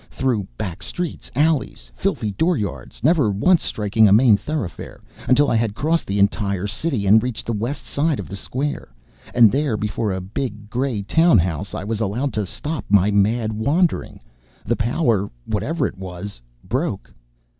Through back streets, alleys, filthy dooryards never once striking a main thoroughfare until I had crossed the entire city and reached the west side of the square. And there, before a big gray town house, I was allowed to stop my mad wandering. The power, whatever it was, broke.